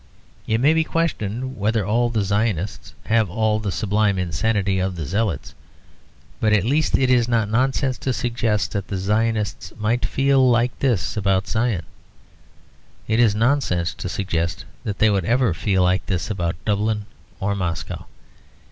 It may be questioned whether all the Zionists have all the sublime insanity of the Zealots. But at least it is not nonsense to suggest that the Zionists might feel like this about Zion. It is nonsense to suggest that they would ever feel like this about Dublin or Moscow.